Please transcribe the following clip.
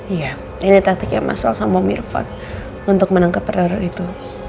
iya ini taktiknya mas al sama om irvan untuk menangkap peneror itu